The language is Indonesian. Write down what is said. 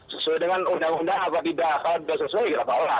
sesuai dengan undang undang apa tidak kalau tidak sesuai kita balas